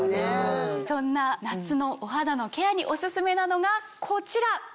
そんな夏のお肌のケアにお薦めなのがこちら。